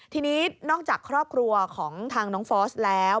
ทีนี้นอกจากครอบครัวของทางน้องฟอสแล้ว